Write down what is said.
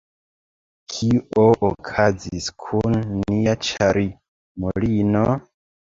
Kio okazis kun nia ĉarmulino?